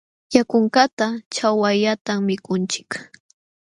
Yakunkaqta ćhawallatam mikunchik.